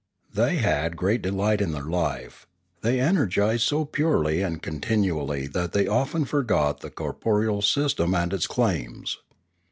They had great delight in their life; they energised so purely and continually that they often forgot the corporeal system and its claims.